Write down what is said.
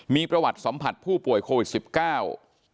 มีประวัติสัมผัสผู้ป่วยโควิด๑๙